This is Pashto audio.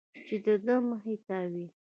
چې د ده مخې ته وي.